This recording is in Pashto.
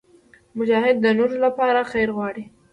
مجاهد د نورو لپاره خیر غواړي.